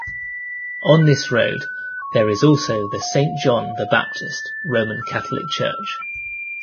On this road, there is also the Saint John the Baptist Roman Catholic Church.